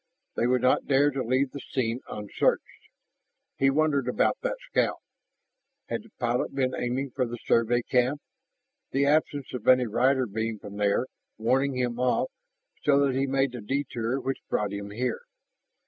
They would not dare to leave the scene unsearched. He wondered about that scout. Had the pilot been aiming for the Survey camp, the absence of any rider beam from there warning him off so that he made the detour which brought him here?